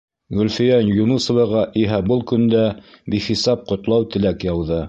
Гөлфиә Юнысоваға иһә был көндә бихисап ҡотлау-теләк яуҙы.